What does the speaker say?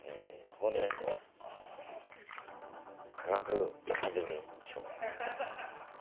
本年度科学アカデミー賞第３位！